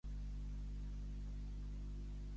Demà passat na Laura vol anar a Tormos.